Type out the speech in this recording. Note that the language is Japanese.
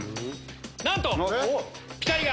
なんとピタリが。